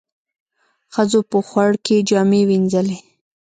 ښځو په خوړ کې جامې وينځلې.